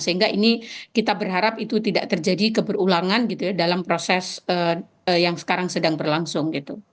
sehingga ini kita berharap itu tidak terjadi keberulangan gitu ya dalam proses yang sekarang sedang berlangsung gitu